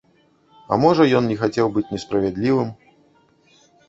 А можа, ён не хацеў быць несправядлівым.